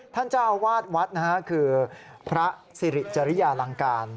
ท่านเจ้าวาดวัดคือพระสิริจริยาลังการ